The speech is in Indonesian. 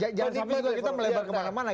jangan sampai juga kita melebar kemana mana